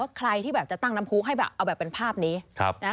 ถ้าใครที่จะตั้งน้ำฮุ้กให้เอาแบบเป็นภาพนี้